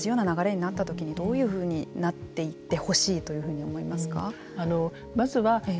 日本でも例えば同じような流れになったときにどういうふうになっていってほしいというふうに思いますか。